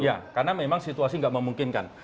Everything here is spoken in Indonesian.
ya karena memang situasi tidak memungkinkan